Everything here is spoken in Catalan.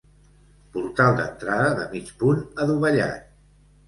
Portal d'entrada de mig punt adovellat.